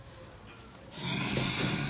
うん。